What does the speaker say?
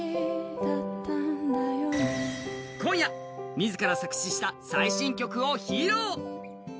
今夜、自ら作詞した最新曲を披露。